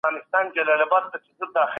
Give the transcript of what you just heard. څنګه انټرنیټ د بیان ازادي پراخوي؟